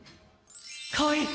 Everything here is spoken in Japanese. かわいい！